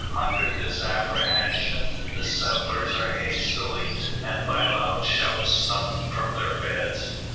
Under this apprehension, the settlers are hastily, and by loud shouts, summoned from their beds.